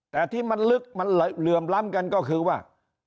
แต่ที่มันลึกมันเหลื่อมล้ำกันก็คือว่า